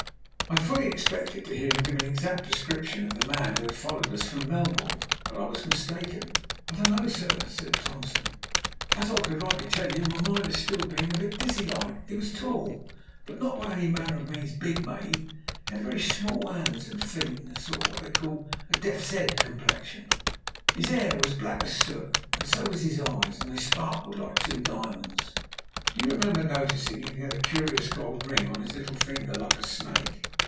I fully expected to hear him give an exact description of the man who had followed us from Melbourne, but I was mistaken. "I don't know, sir," said Thompson, "as I could rightly tell you, my mind being still a bit dizzy like. He was tall, but not by any manner of means big made; he had very small 'ands 'an feet, a sort o' what they call death's 'ead complexion; 'is 'air was black as soot, an' so was 'is eyes, an' they sparkled like two diamonds." "Do you remember noticing if he had a curious gold ring on his little finger, like a snake?"